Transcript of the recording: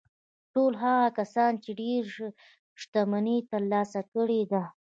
ټول هغه کسان چې ډېره شتمني يې ترلاسه کړې ده.